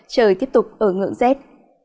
trời tiếp tục ở ngưỡng rét